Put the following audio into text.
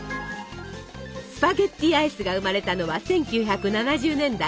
スパゲッティアイスが生まれたのは１９７０年代。